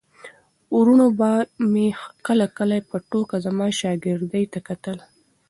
وروڼو به مې کله کله په ټوکه زما شاګردۍ ته کتل.